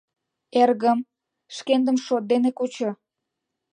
Эргым, шкендым шот дене кучо!